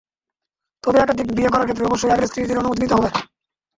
তবে একাধিক বিয়ে করার ক্ষেত্রে অবশ্যই আগের স্ত্রীদের অনুমতি নিতে হবে।